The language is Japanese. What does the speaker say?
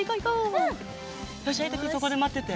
よしえいとくんそこでまってて。